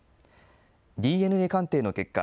ＤＮＡ鑑定の結果